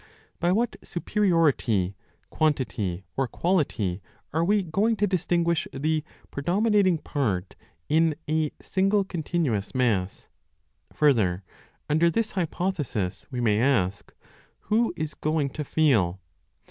By what superiority, quantity or quality are we going to distinguish the "predominating part" in a single continuous mass? Further, under this hypothesis, we may ask, Who is going to feel?